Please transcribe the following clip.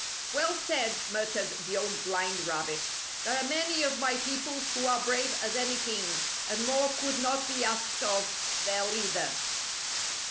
"Well said," muttered the Old Blind Rabbit. "There are many of my people who are brave as any king, and more could not be asked of their leader."